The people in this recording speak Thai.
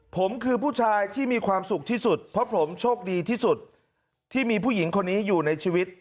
ผมคือผู้ชายที่มีความสุขที่สุดเพราะผมโชคดีที่สุดที่มีผู้หญิงคนนี้อยู่ในชีวิต